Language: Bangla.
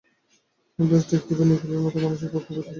আমি বেশ দেখতে পাই, নিখিলের মতো মানুষের পক্ষে পৈতৃক সম্পত্তিটা বাহুল্য।